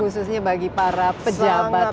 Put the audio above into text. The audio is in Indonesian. khususnya bagi para pejabat